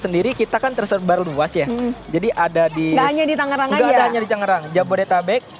sendiri kita kan tersebar luas ya jadi ada di tangerang enggak ada hanya di tangerang jabodetabek